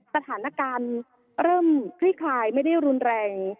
สถานการณ์เริ่มคลี่คลายไม่ได้รุนแรง